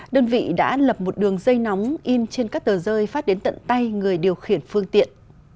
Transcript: đơn vị đã lập một đường dây nóng in trên các tờ rơi phát đến tận tay người điều khiển phương tiện